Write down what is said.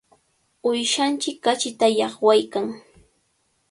Uyshanchik kachita llaqwaykan.